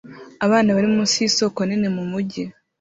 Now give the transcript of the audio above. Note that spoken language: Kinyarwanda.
Abana bari munsi yisoko nini mumujyi